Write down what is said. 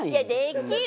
できる！